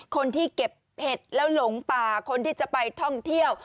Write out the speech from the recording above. คนที่เก็บเห็ดแล้วหลงป่าคนที่จะไปท่องเที่ยว